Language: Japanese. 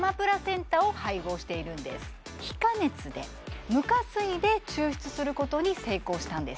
非加熱で無加水で抽出することに成功したんです